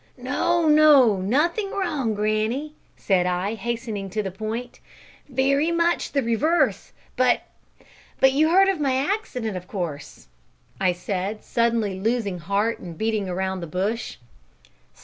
"No, no; nothing wrong, granny," said I, hastening to the point; "very much the reverse. But but you heard of my accident, of course?" I said, suddenly losing heart and beating about the bush.